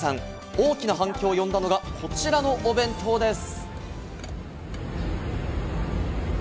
大きな反響を呼んだのがこちらのお弁当です。